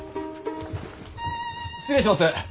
失礼します。